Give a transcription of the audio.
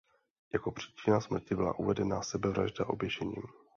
Jako příčina smrti byla uvedena sebevražda oběšením.